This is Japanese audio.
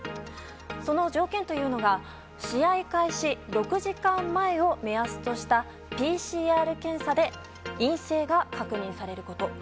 その条件というのが試合開始６時間前を目安とした、ＰＣＲ検査で陰性が確認されること。